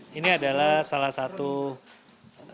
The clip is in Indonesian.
ketika penanganan aneurisma aneurisma akan menggunakan penanganan aneurisma